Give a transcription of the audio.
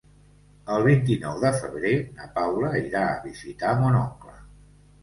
El vint-i-nou de febrer na Paula irà a visitar mon oncle.